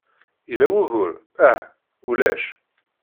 Yella wugur? Ah? Ulac.